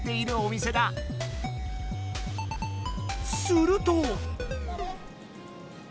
すると。